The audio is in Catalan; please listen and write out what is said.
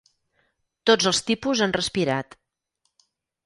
Tots els tipus han respirat.